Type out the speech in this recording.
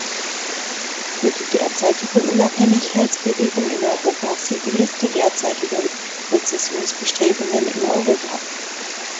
Für die derzeitiger Unabhängigkeitsbewegung in Europa siehe die Liste derzeitiger Sezessionsbestrebungen in Europa.